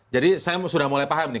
jadi saya sudah mulai paham nih